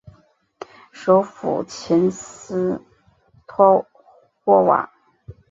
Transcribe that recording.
首府琴斯托霍瓦。